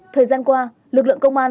thời gian qua lực lượng công an